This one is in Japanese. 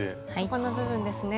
ここの部分ですね。